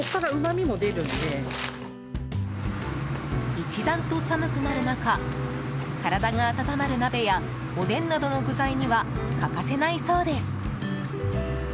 一段と寒くなる中体が温まる鍋やおでんなどの具材には欠かせないそうです。